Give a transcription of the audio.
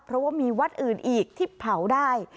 เพราะว่ามีวัดอื่นอีกที่เผาได้